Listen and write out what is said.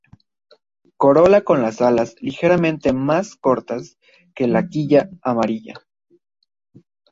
Corola con alas ligeramente más cortas que la quilla, amarilla.